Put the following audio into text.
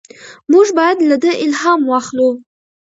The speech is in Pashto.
موږ باید له ده الهام واخلو.